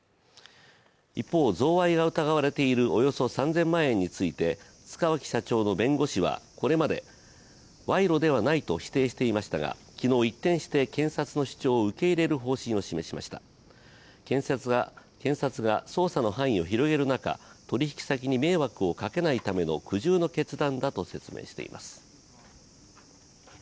一方、贈賄が疑われているおよそ３０００万円について塚脇社長の弁護士はこれまで賄賂ではないと否定していましたが、昨日、一転して検察の主張を受け入れる方針を示しました検察が捜査の範囲を広げる中、取引先に迷惑をかけないための苦渋の決断だと説明しています。